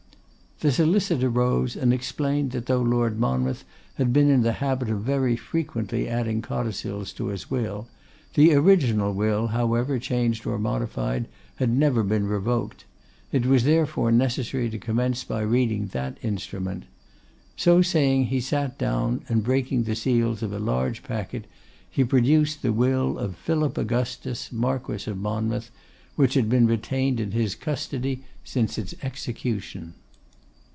The solicitor rose and explained that though Lord Monmouth had been in the habit of very frequently adding codicils to his will, the original will, however changed or modified, had never been revoked; it was therefore necessary to commence by reading that instrument. So saying, he sat down, and breaking the seals of a large packet, he produced the will of Philip Augustus, Marquess of Monmouth, which had been retained in his custody since its execution.